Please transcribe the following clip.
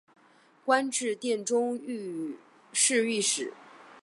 官至殿中侍御史。